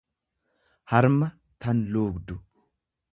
harma tan luugdu.